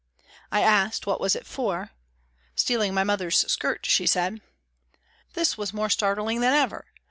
I asked, " What was it for ?"" Stealing my mother's skirt," she said. This was more startling than ever.